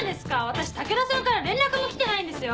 私武田さんから連絡も来てないんですよ！